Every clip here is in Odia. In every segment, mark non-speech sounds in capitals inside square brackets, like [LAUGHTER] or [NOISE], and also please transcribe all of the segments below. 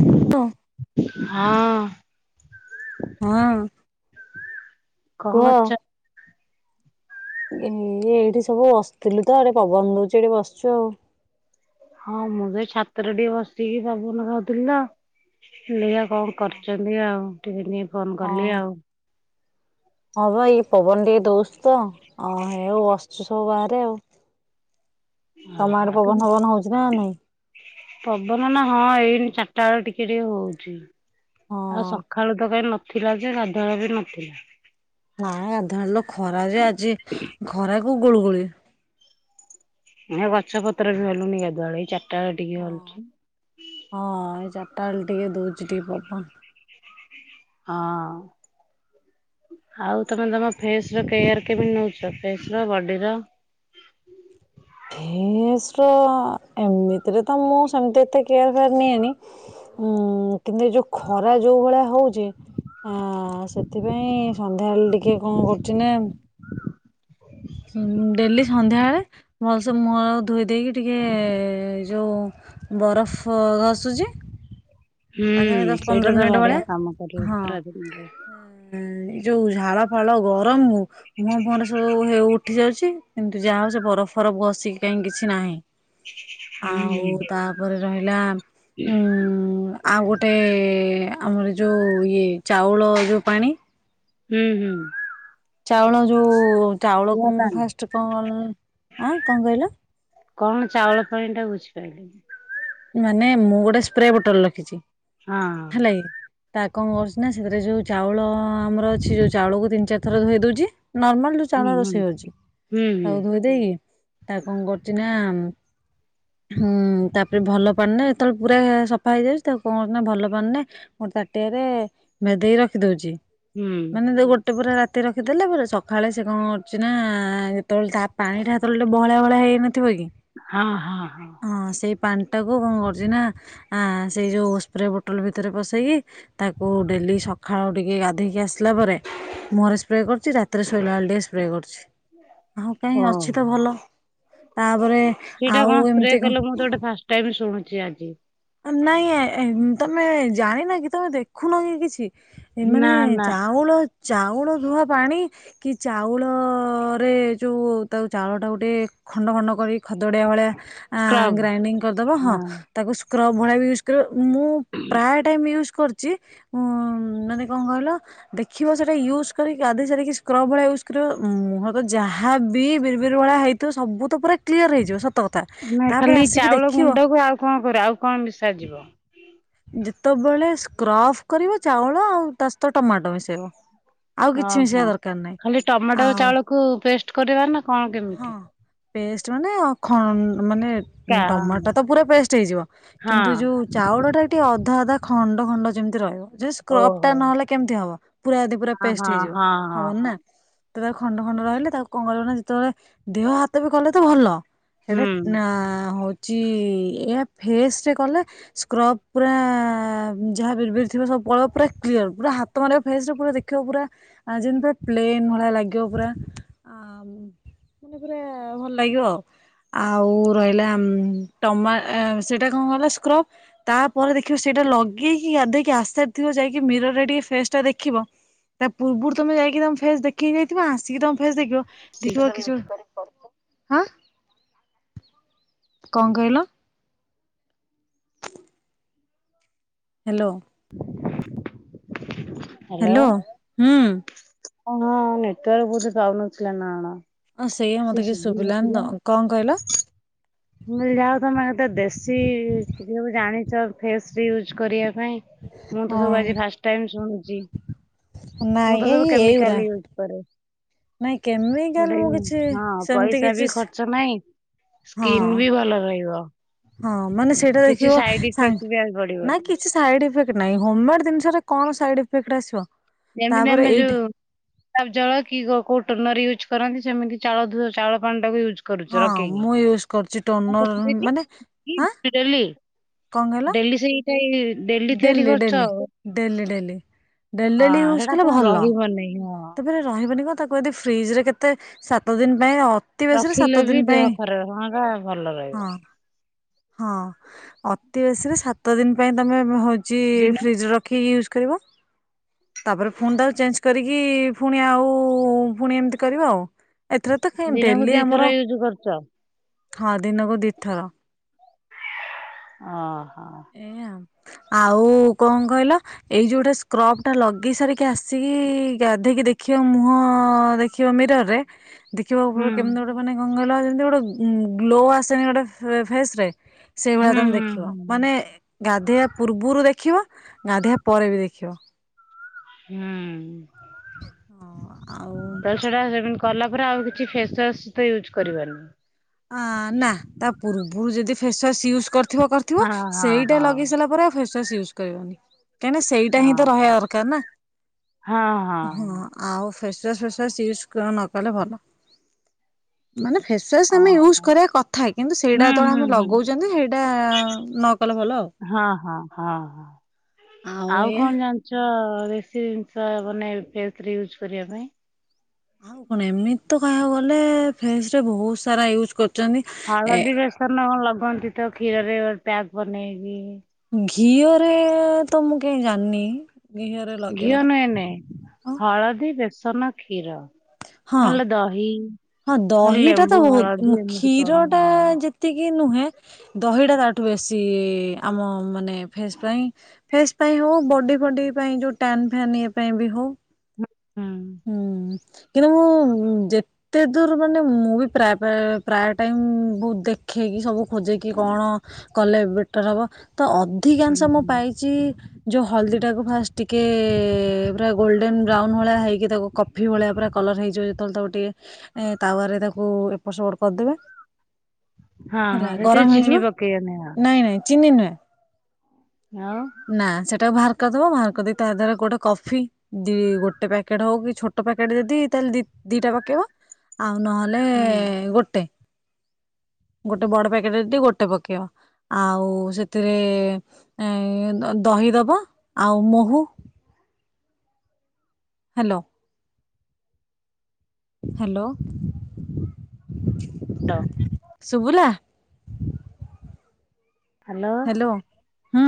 [UNINTELLIGIBLE] ହଁ। [INAUDIBLE] ହଁ। [INAUDIBLE] କଣ କରୁଚ। ଏଇ ଏଇଠି ସବୁ ବସିଥିଲୁ ତ ଆଡେ ପବନ ଦଉଛି ଏଠି ବସିଛୁ ଆଉ। ହଁ ମୁଁ ସେଇ ଛାତରେ ଟିକେ ବସିକି ପବନ ଖାଉଥିଲି ଲୋ। ଲିଆ କଣ କରୁଚନ୍ତି ଆଉ। ଟେନ ଫୋନ କରଲି ହଁ ଆଉ। ହଁ ଭ ଏଇ ପବନ ଟ ଦୋଷ ତ। ଅ ହେଉ ବସଛୁ। ମୁଁ ବାହାରେ ଆଉ। ତମ ଆଡେ ଆ ପବନ ପବନ ହଉଛି ନା ନାଇଁ। ପବନ ନା ହଁ ଏଇନି ଚାରିଟା ବେଳ ଟିକେ ଟିକେ ହଉଛି। ଆଉ ହଁ ସଖାଳୁ ତ କାଇଁ ନ ଥିଲା ଯେ ଗାଧୁଆଳବି ନଥିଲା। ନାଇଁ ଗାଧୁଆଳେ ନୁ ଖରା ଯେ ଆଜି ଖରା କୁ ଗୁଳୁଗୁଳି। ଏ ଗଛପତ୍ର ବି ହଲୁନି ଗାଧୁଆଳେ ଏ ଚା ଟା ଟିକେ ହଁ। ହଲୁଚି। ଟାଳେ ଟିକେ ଦଉଚି ଟିକେ ପବନ। ହଁ ଆଉ ତମେ ତମ ଫେସ ର କେୟାର କେମିତି ନଉଚ ଫେସ ର ବଡିର ଧେସର ଏମିତିରେ ତ ମୁଁ ସେମିତି ଏତେ କେୟାର ଫେୟାର ନିଏନି ଉଁ କିନ୍ତୁ ଏ ଯୋଉ ଖରା ଯୋଉ ଭଳିଆ ହଉଛି ଆ ସେଥିପାଇଁ ସନ୍ଧ୍ୟାବେଳେ ଟିକେ କଣ କରୁଚି ନା ସ ଡେଲି ସନ୍ଧ୍ୟାବେଳେ ଭଲସେ ମୁହଁ ଧୋଇ ଦେଇକି ଟିକେ ଯଉଁ ବରଫ ଘସୁଚି। ହୁଁ ସେଇଟା ତ ବଢିଆ କାମ ହଁ କରିବ ରାତିରେ। ଏଇ ଯୋଉ ଝାଳ ଫାଳ ଗରମ ହ ମୋ ମୁୁହଁରେ ସବୁ ହେ ଉଠି ଯାଉଚି। କିନ୍ତୁ ଯାହା ହଉ ସେ ବରଫ ଫରଫ ଘସିକି କାଇଁ କିଛି ନାହିଁ। ହୁଁ ଆଉ ତାପରେ ରହିଲା ଉଁ ଆଉ ଗୋଟେ ଏ ଆମର ଯୋଉ ଇଏ ଚାଉଳ ଯୋଉ ପାଣି। ହୁଁ ହୁଁ। ଚାଉଳ ଯୋଉ ଚାଉଳକୁ ହୁଁ। ମୁଁ ଫାଷ୍ଟ କଣ ଆଁ କଣ କହିଲ କଣ ଚାଉଳ ପାଣି ଟା ବୁଝିପାଇଲିନି। ମାନେ ମୁଁ ଗୋଟେ ସ୍ପ୍ରେ ବୋଟଲ ରଖିଚି। ହଁ ହେଲାକି ତାକ୍ କଣ କରୁଚି ନା ସେଥିରେ ଯଉ ଚାଉଳ ଆମର ଅଛି ଯୋଉ ଚାଉଳକୁ ତିନି ଚାରି ଥର ଧୋଇ ଦଉଚି ନର୍ମାଲ ଯୋଉ ହୁଁ ଚାଉଳ ହୁଁ ରୋଷେଇ ଅଉଛି ହୁଁ ହୁଁ ତାକୁ ଧୋଇ ଦେଇକି ତାକୁ କଣ କରୁଛି ନା ହୁଁ ତା ଭଲ ପାାନ ନା ଯେତେବେଳେ ପୁରା ସଫା ହେଇଯାଉଚି ତାକୁ କଣନା ଭଲ ପାନ ରେ ଗୋଟେ ତାଟିଆରେ ଭେଦେଇ ରଖିଦଉଚି। ହୁଁ। ଟେ ପୁରା ରାତି ରଖିଦେଲେ ପୁରା ସଖାଳେ ସେ କଣ କରୁଚି ନା ଯେତେବଳେ ତା ପାଣିଟା ହେତବେଳଠୁ ବହଳିଆ ବହଳିଆ ହେଇନଥ ଥିବକି ହଁ ହଁ ହଁ ସେଇ ପାଣିଟାକୁ କଣ କରୁଚିନା ସେଇ ଯେଉଁ ସ୍ପ୍ରେ ବୋଟଲ ଭିତରେ ପସେଇକି ତାକୁ ଡେଲି ସଖାଳୁ ଟିକେ ଗାଧୋଇକି ଆସିଲା ପରେ ମୁହଁରେ ସ୍ପ୍ରେ କରୁଛି ରାତିରେ ଶୋଇଲା ବେଳେ ଟିକେ ସ୍ପ୍ରେ କରୁଛି। ଆଉ କାହିଁ ଅଛି ତ ଓହୋ ଭଲ ତାପରେ ଆଉ ଏମିତି କ ଟ ବି ଶୁଣୁଚି ଆଜି। ନାଇଁ ତମେ ଜାଣିିନ କି ତମେ ଦେଖୁନ କି କିଛି। ନା ଏମାନେ ନା ଚାଉଳ। ଚାଉଳ ଧୁଆ ପାଣି କି ଚାଉଳ ରେ ଯଉ ତାକୁ ଚାଉଳଟା ଗୋଟେ ଖଣ୍ଡ ଖଣ୍ଡ କରି ଖଦଡ଼ିଆ ଭଳିଆ। ଆ ସ୍କ୍ରବ୍ ଗ୍ରାଇଣ୍ଡିଙ୍ଗ କରିଦବ ହଁ ତାକୁ ସୁ [UNINTELLIGIBLE] ମୁଁ ପ୍ରାୟ ଟାଇମ। ୟୁସ୍ କରିଛି ଉ ମାନେ କଣ କହିଲ ଦେଖିବ ସେଟା ୟୁସ୍ କରିକି ଗାଧେଇ ସାରିକି ସ୍କ୍ରବ୍ ଭଳିଆ ୟୁସ୍ କରିବ ଉ ମୁହଁ ତ ଯାହା। ବି ବିର୍ ବିରୁ ଭଳିଆ ହେଇଥିବ। ସବୁ ତ ପୁରା କ୍ଲିୟର ହେଇଯିବ ସ୍ ଆମେ ଖାଲି ଚାଉଳ ଗୁଣ୍ଡକୁ ଆଉ କଣ କର ଆଉ। କଣ ବିସାରିଯିବ। ଯେତେବେଳେ ସ୍କ୍ରଫ କରିବ ଚାଉଳ ଆଉ ତା ସହିତ ଟମାଟୋ ମିଶେଇବ। ଆଉ କିଛି ଓହୋ ମିଶେଇବା ଦରକାର ନାହିଁ। ଖାଲି ଟମାଟୋ ଆଉ ଚାଉଳକୁ ପେଷ୍ଟ। କରିବାର ନା। କଣ ହଁ କେମିତି। ପେଷ୍ଟ ମାନେ ଖ ମାନେ କା ଟମାଟୋ ତ ପୁରା ପେଷ୍ଟ ହେଇଯିବ। ହଁ କିନ୍ତୁ ଯୋଉ ଚାଉଳ ଟା ଟିକେ ଅଧା ଅଧା। ଖଣ୍ଡ ଖଣ୍ଡ ଯେମିତି ରହିବ। ଯୋ ଓହୋ ସ୍କ୍ରବ୍ ନହେଲେ କେମିତି ହବ। ପୁରା ଯଦି ପୁରା ହଁ ହଁ ପେଷ୍ଟ ହେଇଯିବ ହଁ ହଁ ହବନି ହଁ ନା। ପୁରା ଖଣ୍ଡ ଖଣ୍ଡ ରହିଲେ ତାକୁ କଣ କରିବ ନା। ସେତେବେଳେ ଦେହ ହାତ ବି କଲେ ତ ଭଲ। ସେଇଟା ନା ହୁଁ ହଉ ଚି ଏହା ଫେସ ରେ କଲେ ସ୍କ୍ରବ ପୁରା ଯାହା ବିର୍ ବିର୍ ଥିବ ସବୁ ପଳେଇବ ପୁରା କ୍ଲିୟର। ପୁରା ହାତ ମାରିବ ଫେସ ରେ ପୁରା ଦେଖିବ ପୁରା ଯେମିତି ପୁରା ପ୍ଲେନ୍ ଭଳିଆ ଲାଗିବ। ପୁରା ମାନେ ପୁରା ଭଲ ଲାଗିବ। ଆଉ ଆଉ ରହିଲା ଟମା ସେଇଟା କଣ ଗଲା ସ୍କ୍ରବ ତାପରେ ଦେଖିବ। ସେଇଟା ଲଗେଇକି ଗାଧେଇକି ଆସିସାରିଥିବ ଯାଇକି ମିରରରେ ଟିକେ ଫେସ ଟା ଦେଖିବ। ତା ପୂର୍ବରୁ ତମେ ଯାଇକି ତମ ଫେସ ଦେଖିକି ଯାଇଥିବ ଆସିକି ତମ ଫେସ ଦେଖିବ। [UNINTELLIGIBLE] ହାଁ। କଣ କହିଲ? ହ୍ୟାଲୋ। ହ୍ୟାଲୋ ହୁଁ। କଣ ନେଟୱାର୍କ ବୋଧେ ପାଉନଥିଲା ନା କଣ। ହଁ ସେଇଆା ମୋତେ କିଛି ଶୁଭୁ ଶୁଭିଲାନି ନଥିଲା ତ, କଣ କହିଲ? ମୁଁ କହିଲି ଯାହା ହଉ ତୋମେ କେତେ ଦେଶୀ [UNINTELLIGIBLE] ସବୁ ଜାଣିଛ ଫେସ ରେ ୟୁଜ୍ କରିବା ପାଇଁ ମୁଁ ତ ହଁ ସବୁ ଆଜି ଫାଷ୍ଟ ଟାଇମ୍ ଶୁଣୁଚି, ମୁଁ ନାଇଁ ତ ସବୁ ଏଇ ଏଇଗୁରା କେମିକାଲି କରେ, ନାଇଁ କେମିକାଲ [UNINTELLIGIBLE] ମୁଁ କିଛି ହଁ ସେମିତି ପଇସା ବି କିଛି ଖର୍ଚ୍ଚ ନାଇଁ ହଁ କିନ୍ ବି ଭଲ ରହିବ। ହଁ ମାନେ ସେଇଟା କିଛି ଦେଖିବ ସାଇଡ ଇଫେକ୍ଟ ବି ଆଉ ସା-ନା ପଡିବନି। କିଛି ସାଇଡ ଇଫେକ୍ ନାଇଁ ହୋମମେଡ୍ ଜିନିଷର କଣ ସାଇଡ୍ ଇଫେକ୍ଟ ଟା ଆସିବ? ଯେମିତି ନା ତାପରେ ଆମେ ଯୋଉ ଏଇଟା ଆଉ ଜଳ କି ଗୋ- କୋଉ ଟନର୍ ୟୁଜ କରନ୍ତି ସେମିତି ଚାଉଳ ଧୁ-ଚାଉଳ ପାଣି ଟା ବି ୟୁ ହଁ ମୁଁ ୟୁଜ୍ କରୁଚି ଟନର୍ ମାନେ ଆଁ, ଡେଲି ଡେଲି ସେଇ ସେଇ ଡେଲି ଡେଲି ଡେଲି ଡେଲି। ଏ ଡେଲି ଡେଲି ହଁ ୟୁଜ୍ ସେଟା କଲେ କଣ ଭଲ, ରହିବନି ହଁ। ତାପରେ ରହିବନି କଣ ତାକୁ ଯଦି ଫ୍ରିଜ ରେ କେତେ ସାତ ଦିନ ପାଇଁ ଅତି ବେଶୀରେ ସାତ ରଖିଲେ ଦିନ ବି ପାଇଁ ଦେହ ଖରାପ ହଅଙ୍କା ଭଲ ରହିବ ହଁ ହଁ ଅତି ବେଶୀରେ ସାତ ଦିନ ପାଇଁ ତୋମେ ବ-ହୋଉ ଚି ଦିନ ଫ୍ରିଜ୍ ରେ ରଖିକି ୟୁଜ କରିବ ତାପରେ ଫୁଣ୍ ତାକୁ ଚେଞ୍ଜ କରିକି ଫୁଣି ଆଉ ପୁଣି ଏମିତି କରିବା ଆଉ ଏଥିରେ ତ କାଇଁ ଦିନକୁ ଡେଲି ଦିଥର ଆମର ୟୁଜ କରୁଛ? ହଁ ଦିନକୁ ଦିଥର। ଓହୋ। ଏ-ଆ- ଆଉ କଣ କହିଲ ଏଇ ଯୋଉଟା ସ୍କ୍ରବ ଟା ଲଗେଇ ସାରିକି ଆସିକି ଗାଧେଇକି ଦେଖିବ ମୁହଁ ଦେଖିବ ମିରର୍ ରେ ଦେଖିବ ହୁଁ ଉପରେ କେମିତି ଗୋଟେ ମାନେ କଣ କହିଲ ଏ ଏମତି ଗୋଟେ ଉଁ, ଗ୍ଲୋ ଆସେନି ଗୋଟେ ଫେ- ଫେସ୍ ରେ ସେଇଭଳିଆ ହୁଁ ତୋମେ ହୁଁ ଦେଖିବ। ହୁଁ। ମାନେ ଏ ଗାଧେଇବା ପୂର୍ବରୁ ଦେଖିବ ଗାଧେଇବା ପରେ ବି ଦେଖିବ। ହୁଁ ତାହେଲେ ହଁ ଆଉ ସେଟା ସେମିତି କଲା। ତାରେ ଆଉ କିଛି ଫେସୱା ୟୁଜ୍ କରିବାନି। ନା ତା ପୂର୍ବରୁ ଯଦି ଫେସୱାସ୍ ୟୁଜ କରୁ ଥିବ କରିଥିବ ହଁ ହଁ ସେଇଟା ହଁ ଲଗେଇ ସାରିଲା ପରେ ଫେ ସସ୍ ୟୁଜ କରିବାନି। କାହିଁକ ସେଇଟା ହଁ ହିଁ ତ ରହିବା ଦରକାର ନା ହଁ ଆଉ। ଫେସୱାସ ଫେସୱାସ୍ ୟୁଜ ନକଲେ ଭଲ ମାନେ ଫେସ୍ ଆମେ ୟୁଜ ଓହୋ କରିବା କଥା କିନ୍ତୁ ସେଇଟା ହୁଁ ହୁଁ ଯେତେବେଳେ ହୁଁ ଲଗାଉଛନ୍ତି। ଇଟ ନ। କଲେ ଭଲ ଆଉ ହଁ ହଁ ହଁ ହଁ ଆଉ କଣ ଜାଣିଛ। ଦେ ଜିନିଷ ମାନେ ୟୁଜ କରିବା ପାଇଁ। ଆଉ କଣ ଏମିତି ତ କହିବାକୁ ଗଲେ ଫେସ୍ ରେ ବହୁତ ସାରା ୟୁଜ କର ହଳଦୀ ବେସନ କଣ ଲଗନ୍ତି ତ କ୍ଷୀରରେ। ପ୍ୟାଗ ବନେଇବି। ଘିଅରେ ତ ମୁଁ କାଇଁ ଜାଣିନି। ଘିଅରେ ଘିଅ ଲଗେଇବାର ନୁହେନେ ହଳଦୀ ବେସ ସନ କ୍ଷୀର। ହଁ ନହେଲେ ଦହି। ହଁ ନହେଲେ ଦହିଟା ତ ଲେମ୍ବୁ ବହୁତ ହଳଦୀ ଏମିତି କଣ କ୍ଷୀର ଟା ହଁ ଯେତିକି ନୁହେଁ। ଦହିଟା ତାଠୁ ବେଶୀ ଆମ ମାନେ ଫେସ୍ ପାଇଁ ଫେସ୍ ପାଇଁ ହଉ ବଡି ଫଡି ପାଇଁ ଯୋଉ ଟନ୍ ଫନ୍ ଇ ପାଇଁ ବି ହଉ। ହୁଁ। ହୁଁ କିନ୍ତୁ ଯେ। ଏତେ ଦୂର ମାନେ ମୁଁ ବି ପ୍ରାୟ ପ୍ରାୟ ଟାଇମ ବହୁ ଦେଖେଇକି ସବୁ ଖୋଜେଇକି କଣ କଲେ ବେଟର ହବ ତ ହୁଁ ଅଧିକାଂଶ ମୁଁ ହୁଁ ପାଇଛି ଯେଉଁ ହଳଦୀଟାକୁ ଫାଷ୍ଟ ଟିକିଏ। ୁରା ଗୋଲ୍ଡେ ବ୍ରାଉନ ହଳିଆ ହେଇକି। ତାକୁ କଫି ଭଳିଆ ପୁରରା କଲର୍ ହେଇଯିବ ଯେତେବେଳେ ତାକୁ ଟିକେ ତାୱାରରେ ତାକୁ ଏପଟ ସେପଟ କରିଦେବେ। ହଁ ହଁ ହେଲା ସେଥିରେ ଗରମ ଚିନି ହେଇଯିବ ପକେଇବନି ହଁ ନାଇଁ ନାଇଁ ଚିନି ନୁହେଁ। ଆଉ ନା ସେଟା ବାହାର। ମହାରକ ତା ଦାରରେ ଗୋଟେ କଫି ଦି ଗୋଟେ ପ୍ୟାକେଟ ହଉ କି ଛୋଟ ପ୍ୟାକେଟ ଯଦି ତାହେଲେ ଦିଟା ପକେଇବ। ଆଉ ନହେଲେ ହୁଁ। ଗୋଟେ। ଗୋଟେ ବଡ ପ୍ୟାକେଟରେ ଟିକ ଗୋଟେ ପକେଇୟ ଆଉ ସେଥିରେ। ଦହି ଦେବା ଆଉ ମହୁ। Hello hello. ଶୁଭିଲା। ହ୍ୟାଲୋ। ହଁ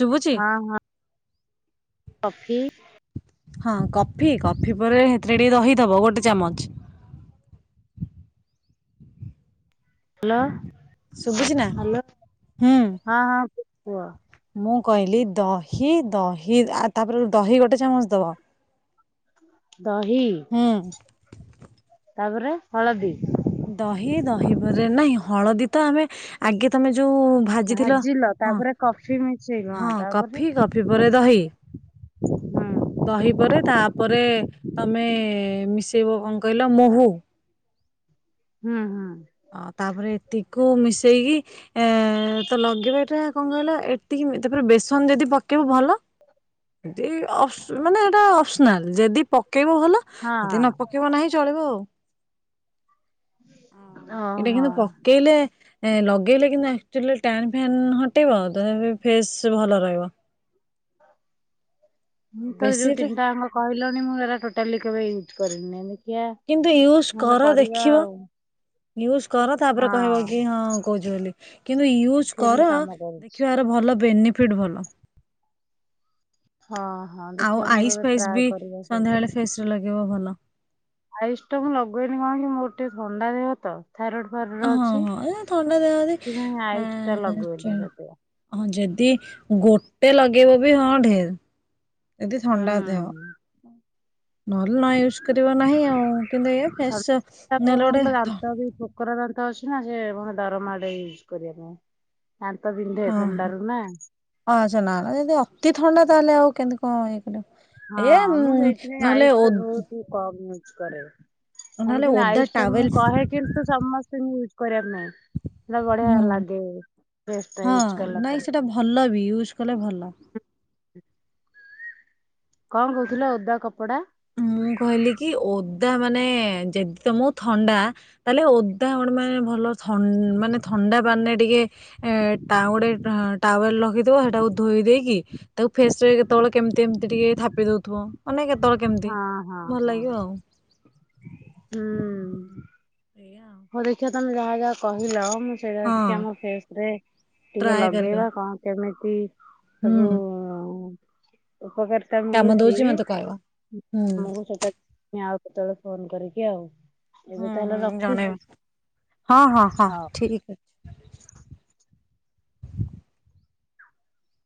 ଶୁଭୁଛି। ହଁ ହଁ କଫି। ହଁ କଫି କଫି ପରେ ସେଥିରେ ଟିକେ ଦହି ଦବ ଗୋଟେ ଚାମଚ। ହ୍ୟାଲୋ। ସୁବୁଛି ନା ହୁଁ। ଓ ମୁଁ କହିଲି ଦହି ଦହି ଆ ତାପରେ ଦହି ଗୋଟେ ଚାମଚ ଦବ। ଦହି। ହୁଁ ତାପରେ ହଳଦୀ। ଦହି ଦହି ପରେ ନାଇଁ ହଳଦୀ ତ ଆମେ ଆଗେ ତମେ। ଯୋଉ ଭାଜିଥିଲ ଭାଜିଲ ହଁ ତାପରେ କଫି ମିଶେଇବ ହଁ ତାପରେ କଫି କଫି ପରେ ଦହି ହୁଁ ଦହି ପରେ ତା ପରେ ତମେ ମିଶେଇବ କଣ କହିଲ ମହୁ। ହୁଁ ହୁଁ। ଅ ତାପରେ ଏତିକୁ ମିଶେଇକି ଏ ତ ଲଗେଇବା ଏଇଟା କଣ କହିଲା ଏତିକି ତାପରେ ବେସନ ଯଦି ପକେଇବୁ ଭଲ ମାନେ ଏଇଟା ଅପସନାଲ ଯଦି। ପକେଇବ ଭଲ ହଁ ଏଦିନ ପକେଇବ ନାହିଁ ଚଳିବ ଆଉ। [INAUDIBLE] ଏଇଟା ଓହୋ। କିନ୍ତୁ ପକେଇଲେ। ଲଗେଇଲେ କିନ୍ତୁ ଏକ୍ଟୁଅଲୀ ଟାନଫ୍ୟନ୍ ହଟେଇବ ଆଉ ତଥାପି ଫ୍ରେସ ଭଲ ରହିବ। ମତେ ଯୋଉ ବେଶୀ ତିନିଟା ଅଙ୍ଗ କହିଲନି ମୁଁ ଏରା ଟୋଟାଲି। କେବେ ୟୁଜ କରିନି । କିନ୍ତୁ ୟୁଜ କର ଦେଖିବ ୟୁଜ କର ତାପରେ କହିବ ହଁ କି ହଁ କହୁଛି ବୋଲି କିନ୍ତୁ ୟୁଜ ସେମିତି କର କାମ କରୁଛି। ଦେଖିବ ଆର ଭଲ ବେନିଫ ଫିଟ ଭଲ। ହଁ ହଁ ଆଉ ଦେଖିବା ମୁଁ ଆଇସ୍ କେବେ ଫାଇସ୍ ଟ୍ରାଏ ବି କରିବା ସନ୍ଧ୍ୟାବେଳେ ଫେସ ରେ ଲଗେଇବ ଭଲ। ଆଇସ୍ ଟା ମୁଁ ଲଗେଇନି କଣ କି ମୋର ଟିକେ ଥଣ୍ଡା ଦେହ ତ। ଥାଇରଏଡ ଫାଇରଏଡ ହଁ ଅଛି। ହଁ ଥଣ୍ଡା ଦେହ ସେଥିପାଇଁ ଆ ଆୟୁଷ ଟା ଲଗେଇନି ସେତେ ହ ଯ ଦି ଗୋଟେ ଲଗେଇବ ବି ହଁ ଢେର। ଯଦି ଥଣ୍ଡା ଦେହ ହୁଁ। ନହେଲେ ନ ୟୁଜ କରିବ ନାହିଁ ଆଉ କିନ୍ତୁ ଏୟା ଫେସ ତା କଣ ନେଲେ ଗୋଟେ। କହିଲ ଦାନ୍ତ ବି ଠୋକରା ଦାନ୍ତ ଅଛି ନା ଯେ ଡର ମାଡେ ୟୁଜ କରିବା ପାଇଁ। ଦାନ୍ତ ବିନ୍ଧେ ହଁ ଥଣ୍ଡାରୁ ନା। ହ ଅଛନା ନା ଯଦି ଅତି ଥଣ୍ଡା ତାହେଲେ ଆଉ କେମିତି କଣ। କରିବ। ହଁ ଏ ମୁଁ ସେଇଥିପାଇଁ ନହେଲେ ଆୟୁଷ ଓ ଟା ବହୁତ କମ୍ ନୋଉଛି। ୟୁଜ କରେ। ଭଲ ନହେଲେ କିନ୍ତୁ ଓଦା ଆଇଷ୍ ଟା ମୁଁ ଟାୱେଲ କହେ କିନ୍ତୁ ସମସ୍ତେ। ୟୁଜ କରିବା। ନାଇଁ ସେ ବଢିଆ ଲାଗେ ପେଷ୍ଟଟା ହଁ ୟୁଜ କଲା ନାଇଁ ପରେ। ସେଟା ଭଲ ବି ୟୁଜ କଲେ ଭଲ। ଲ। ହ। କଣ କହୁଥିଲ ଓଦା କପଡା? ମୁଁ କହିଲି କି ଓଦା ମାନେ ଯଦି ତମକୁ ଥଣ୍ଡା ତାହେଲେ ଓଦା ଗୋଟେ ମାନେ ଭଲ ମାନେ ଥଣ୍ଡା ପାଣିରେ ଟିକେ ଗୋଟେ ଟାୱେଲ ରଖିଥିବ ସେଟାକୁ ଧୋଇ ଦେଇକି ତାକୁ ଫ୍ରେସ ରେ କେତେବେଳେ କେମତି ଏମିତି ଟିକେ ଥାପି ଦଉଥିବ ମାନେ କେତେବେଳେ କେମିତି ହଁ ହଁ ଭଲ ହଁ। ଲାଗିବ ଆଉ। ହୁଁ। ଏଇଆ ଆଉ ହଉ ଦେଖିଆ ତମେ ଯାହା ଯାହା କହିଲ ମୁଁ ସେଇରା ଟିକେ ହଁ ଆମ ଫେସ ରେ ଟିକେ ଟ୍ରାଏ କରିବ ଲଗେଇବା କଣ କେମିତି? ବି ତାକୁ ହୁଁ ଉପକରିତା କାମ ଦଉଛି ମିଳୁଛି ମତେ କହିବ। ହୁଁ ମୁ ସେଟା ପୁଣି ଆଉ କେତବେଳେ‌ ଫୋନ କରିକି ଆଉ ହୁଁ ଏବେ ହୁଁ ତାହେଲେ ଜଣେଇବ ରଖୁଛି। ହଁ ହଁ ହଁ ହଉ। ଠିକ ଅଛି।